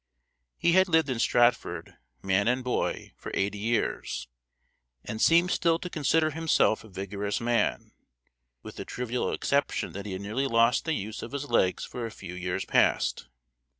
He had lived in Stratford, man and boy, for eighty years, and seemed still to consider himself a vigorous man, with the trivial exception that he had nearly lost the use of his legs for a few years past.